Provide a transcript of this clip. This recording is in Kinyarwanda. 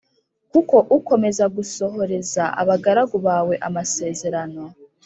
kuko ukomeza gusohoreza abagaragu bawe amasezerano